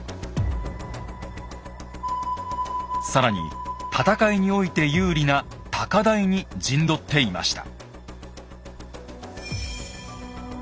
更に戦いにおいて有利な高台に陣取っていました。